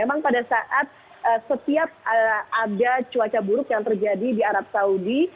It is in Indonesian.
memang pada saat setiap ada cuaca buruk yang terjadi di arab saudi